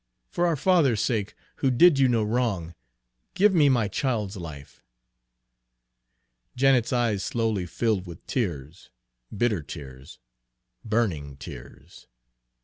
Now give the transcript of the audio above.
for our father's sake, who did you no wrong, give me my child's life!" Janet's eyes slowly filled with tears bitter tears burning tears.